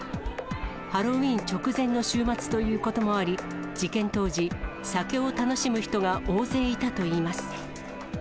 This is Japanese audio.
ハロウィーン直前の週末ということもあり、事件当時、酒を楽しむ人が大勢いたといいます。